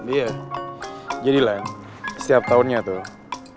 iya jadi lan setiap tahunnya tuh